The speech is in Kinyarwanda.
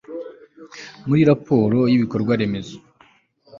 muri raporo yibikorwa remezo